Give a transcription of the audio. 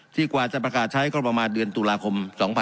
กว่าจะประกาศใช้ก็ประมาณเดือนตุลาคม๒๕๖๒